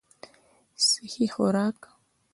سهي خوراک